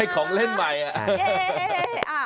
ชอบสุขมาก